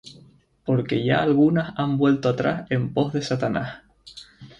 Porque ya algunas han vuelto atrás en pos de Satanás.